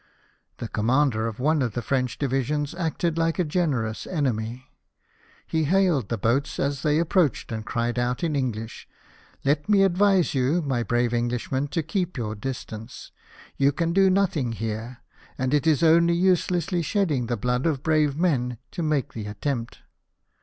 The commander of one of the French divisions acted like a generous enemy. He hailed the boats as they approached, and cried out in English :" Let me advise you, my brave Englishmen, to keep your ATTEMPT ON THE FLOTILLA IN BOULOGNE. 2G5 distance ; you can do nothing here, and it is only uselessly shedding the blood of brave men to make the attempt."